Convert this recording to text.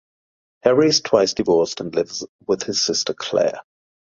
Harry is twice divorced and lives with his sister Clare.